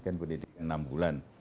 kan pendidikan enam bulan